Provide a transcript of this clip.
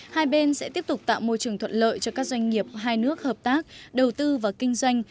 hai bên sẽ tiếp tục tạo môi trường thuận lợi cho các doanh nghiệp hai nước hợp tác đầu tư và kinh doanh